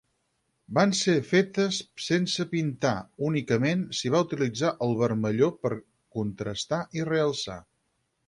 Van ser fetes sense pintar, únicament s'hi va utilitzar el vermelló per contrastar i realçar.